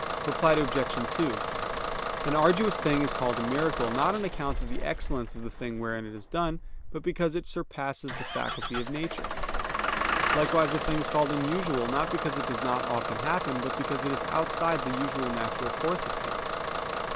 Reply Obj. 2: An arduous thing is called a miracle, not on account of the excellence of the thing wherein it is done, but because it surpasses the faculty of nature: likewise a thing is called unusual, not because it does not often happen, but because it is outside the usual natural course of things.